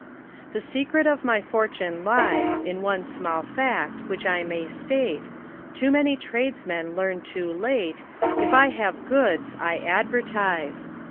The secret of my fortune lies In one small fact, which I may state, Too many tradesmen learn too late, If I have goods, I advertise.